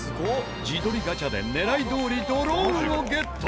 自撮りガチャで狙いどおりドローンをゲット！